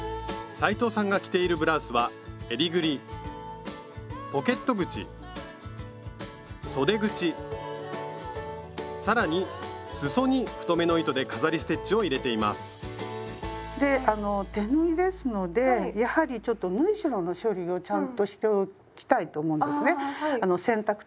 斉藤さんが着ているブラウスはえりぐりポケット口そで口更にすそに太めの糸で飾りステッチを入れていますであの手縫いですのでやはりちょっと縫い代の処理をちゃんとしておきたいと思うんですね。